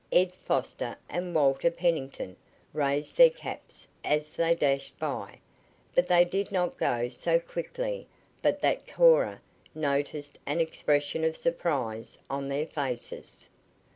Ed Foster and Walter Pennington raised their caps as they dashed by, but they did not go so quickly but that Cora noticed an expression of surprise on their faces.